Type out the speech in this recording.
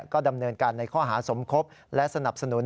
ก็ดำเนินการในข้อหาสมคบและสนับสนุน